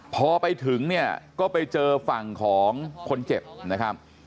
พอไปถึงเนี่ยก็ไปเจอฝั่งของคนเจ็บนะครับ